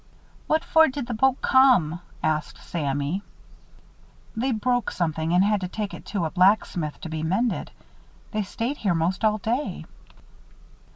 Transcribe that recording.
"What for did the boat come?" asked Sammy. "They broke something and had to take it to a blacksmith to be mended. They stayed here most all day."